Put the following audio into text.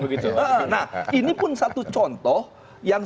nah ini pun satu contoh yang